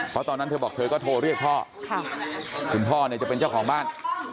เพราะตอนนั้นเธอบอกเธอก็โทรเรียกพ่อคุณพ่อเนี่ยจะเป็นเจ้าของบ้าน